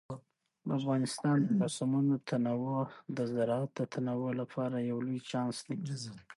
د افغانستان د موسمونو تنوع د زراعت د تنوع لپاره یو لوی چانس دی.